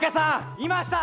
いました